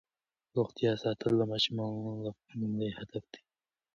روغتیا ساتل د ماشومانو لومړنی هدف دی.